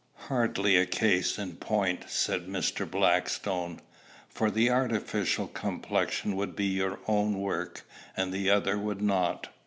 "Hardly a case in point," said Mr. Blackstone. "For the artificial complexion would be your own work, and the other would not."